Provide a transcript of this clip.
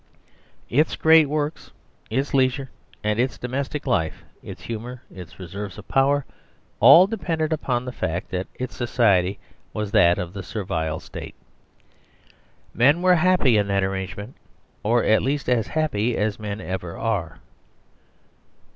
Its great works, its leisure and its domestic life, its humour, its reserves of power, all depend upon the fact that its society was that of the Servile State. Men were happy in that arrangement, or, at least, as happy as men ever are.